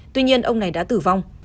tuy nhiên ông này đã tử vong